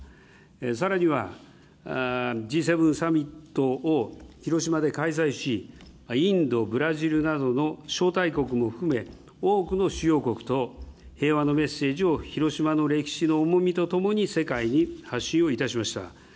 さらにはＧ７サミットを広島で開催し、インド、ブラジルなどの招待国も含め、多くの主要国と、平和のメッセージを広島の歴史の重みとともに世界に発信をいたしました。